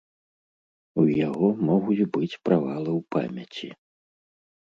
У яго могуць быць правалы ў памяці.